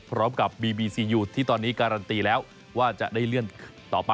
พร้อมกับบีบีซียูที่ตอนนี้การันตีแล้วว่าจะได้เลื่อนต่อไป